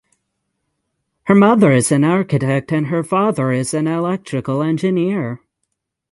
Her mother is an architect and her father is an electrical engineer.